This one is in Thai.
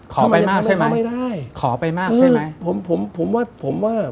ขอไปมากใช่ไหมขอไปมากใช่ไหม